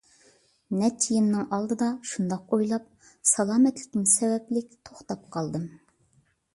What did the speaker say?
نەچچە يىلنىڭ ئالدىدا شۇنداق ئويلاپ، سالامەتلىكىم سەۋەبلىك توختاپ قالدىم.